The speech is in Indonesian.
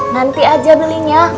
nanti aja belinya